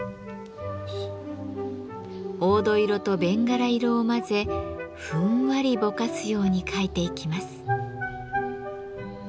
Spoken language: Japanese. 黄土色と弁柄色を混ぜふんわりぼかすように描いていきます。